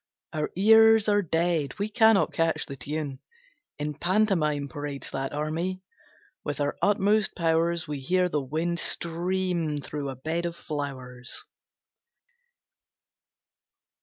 Our ears are dead, We cannot catch the tune. In pantomime Parades that army. With our utmost powers We hear the wind stream through a bed of flowers.